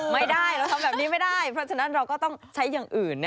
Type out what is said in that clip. ไม่ได้เราทำแบบนี้ไม่ได้เพราะฉะนั้นเราก็ต้องใช้อย่างอื่น